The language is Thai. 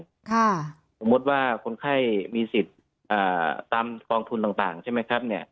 สมมุติว่าคนไข้มีสิทธิ์ตามกองทุนต่างใช่ไหมครับเนี่ย